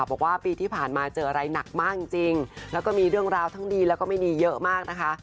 บอกว่าปีที่ผ่านมาเจออะไรหนักมากจริงแล้วก็มีเรื่องราวทั้งดีแล้วก็ไม่ดีเยอะมากนะคะ